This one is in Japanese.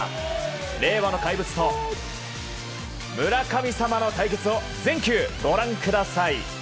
令和の怪物と村神様の対決を全球、ご覧ください。